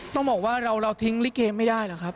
ต้องบอกว่าเราทิ้งลิเกไม่ได้หรอกครับ